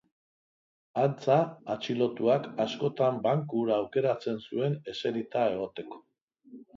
Antza, atxilotuak askotan banku hura aukeratzen zuen eserita egoteko.